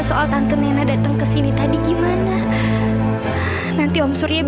sampai jumpa di video selanjutnya